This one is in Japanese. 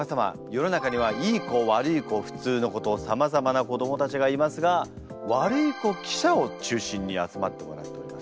世の中にはいい子悪い子普通の子とさまざまな子どもたちがいますがワルイコ記者を中心に集まってもらっております。